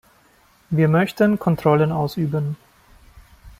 Wir möchten Kontrollen ausüben.